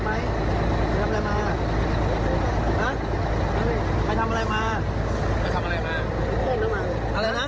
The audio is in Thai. มาทำอะไรมา